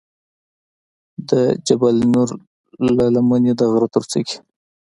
د جبل نور له لمنې د غره تر څوکې.